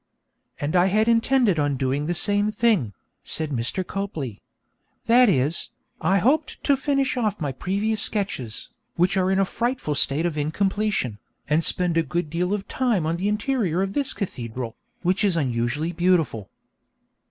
'And I had intended doing the same thing,' said Mr. Copley. 'That is, I hoped to finish off my previous sketches, which are in a frightful state of incompletion, and spend a good deal of time on the interior of this cathedral, which is unusually beautiful.'